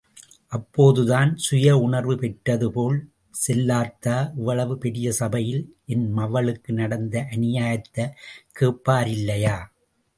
அப்போதுதான், சுய உணர்வு பெற்றதுபோல் செல்லாத்தா இவ்வளவு பெரிய சபையில் என் மவளுக்கு நடந்த அநியாயத்த கேப்பாரில்லையா.